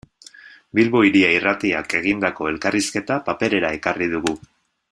Bilbo Hiria Irratiak egindako elkarrizketa paperera ekarri dugu.